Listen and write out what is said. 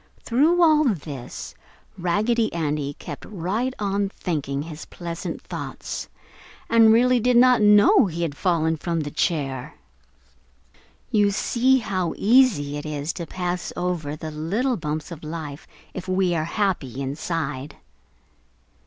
Through all this Raggedy Andy kept right on thinking his pleasant thoughts, and really did not know he had fallen from the chair. You see how easy it is to pass over the little bumps of life if we are happy inside.